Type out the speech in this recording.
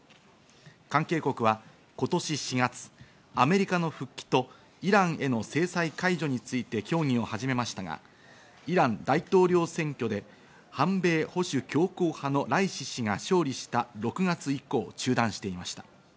関係国は今年４月、アメリカの復帰とイランへの制裁解除について協議を始めましたが、イラン大統領選挙で反米保守強硬派のライシ師が勝利した６月以降、中断していました。